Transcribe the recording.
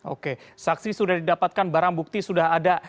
oke saksi sudah didapatkan barang bukti sudah ada